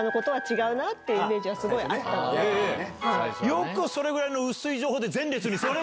よくそれぐらいの薄い情報で。